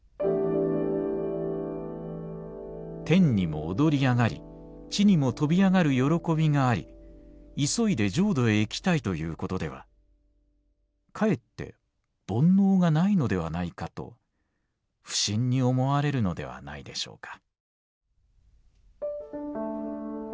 「天にも躍り上がり地にも跳び上がる喜びがあり急いで浄土へ行きたいということではかえって煩悩がないのではないかと不審に思われるのではないでしょうか」。